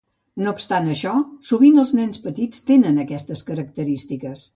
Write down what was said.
No obstant això, sovint els nens petits tenen aquestes característiques.